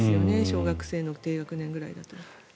小学生の低学年ぐらいだと。